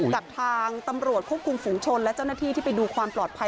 กับทางตำรวจควบคุมฝุงชนและเจ้าหน้าที่ที่ไปดูความปลอดภัย